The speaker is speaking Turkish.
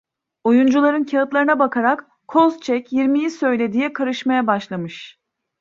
Oyuncuların kağıtlarına bakarak: "Koz çek, yirmiyi söyle" diye karışmaya başlamış.